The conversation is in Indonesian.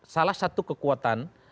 salah satu kekuatan